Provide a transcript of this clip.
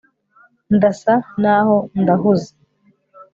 ndasa naho ndahuze